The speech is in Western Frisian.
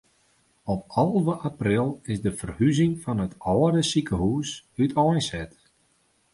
Op alve april is de ferhuzing fan it âlde sikehûs úteinset.